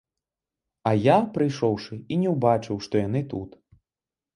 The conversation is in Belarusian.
А я, прыйшоўшы, і не ўбачыў, што яны тут.